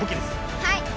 はい。